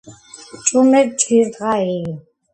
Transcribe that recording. ჭუმე ჯგირ დღა იი